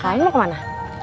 kalian mau kemana